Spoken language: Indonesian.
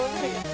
boleh payah mo